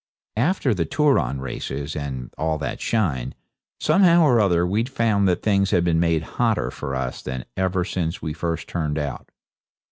After the Turon races and all that shine, somehow or other we found that things had been made hotter for us than ever since we first turned out.